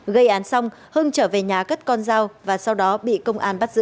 gây án xong hưng trở về nhà cất con dao và sau đó bị công an bắt giữ